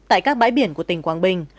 tại các bãi biển của tỉnh quảng bình